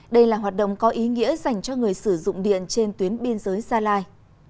đây là hoạt động có ý nghĩa dành cho người sử dụng điện trên tuyến biên giới gia lai